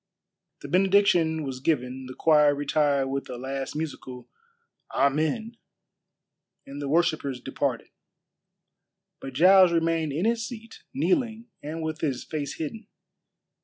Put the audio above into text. The benediction was given, the choir retired with a last musical "Amen," and the worshippers departed. But Giles remained in his seat, kneeling and with his face hidden.